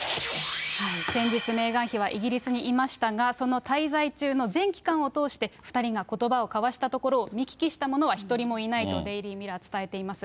先日、メーガン妃はイギリスにいましたが、その滞在中の全期間を通して２人がことばを交わしたところを見聞きした者は一人もいないとデイリー・ミラーは伝えています。